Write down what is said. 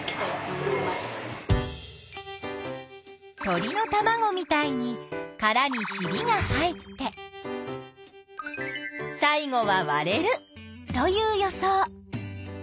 鳥のたまごみたいにカラにひびが入って最後はわれるという予想。